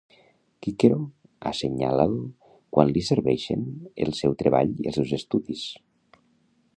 Cicero assenyal quan li serveixen el seu treball i els seus estudis.